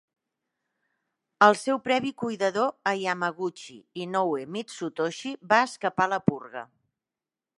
El seu previ cuidador a Yamaguchi, Inoue Mitsutoshi, va escapar la purga.